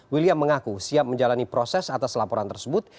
william mengaku siap menjalani proses atas laporan tersebut